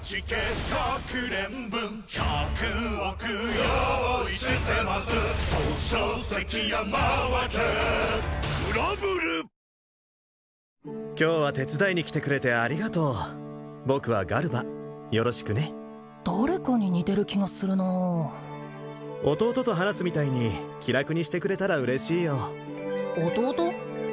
ようこそ解体場へ今日は手伝いに来てくれてありがとう僕はガルバよろしくね誰かに似てる気がするなあ弟と話すみたいに気楽にしてくれたら嬉しいよ弟？